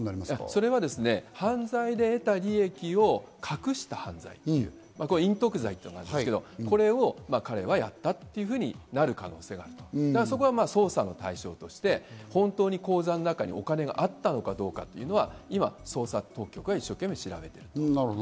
それは犯罪で得た利益を隠した犯罪、隠匿罪となりますが、これを彼はやったというふうになる可能性があるとそこは捜査の対象として本当に口座の中にお金があったのかどうか、今、捜査当局が一生懸命調べている。